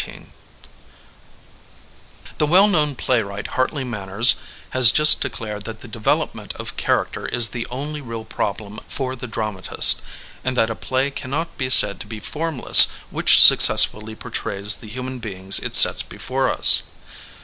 SITUATION I HE well known playwright, Hartley Man ners, has just declared that the develop ment of character is the only real prob lem for the dramatist, and that a play cannot be said to be formless which suc ]| cessfully portrays the human beings it sets before us.